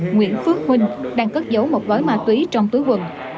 nguyễn phước huynh đang cất giấu một gói ma túy trong túi quần